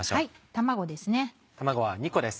卵です。